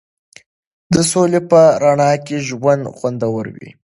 د سولې په رڼا کې ژوند خوندور وي.